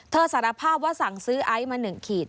สารภาพว่าสั่งซื้อไอซ์มา๑ขีด